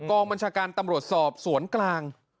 บัญชาการตำรวจสอบสวนกลาง